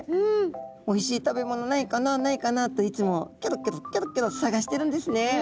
おいしい食べ物ないかなないかなといつもキョロキョロキョロキョロ探してるんですね。